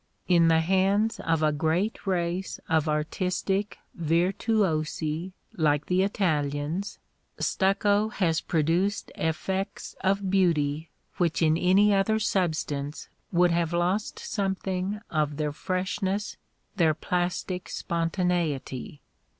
In the hands of a great race of artistic virtuosi like the Italians, stucco has produced effects of beauty which in any other substance would have lost something of their freshness, their plastic spontaneity.